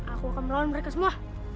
aku akan melawan mereka semua